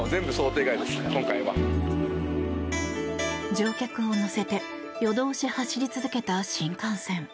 乗客を乗せて夜通し走り続けた新幹線。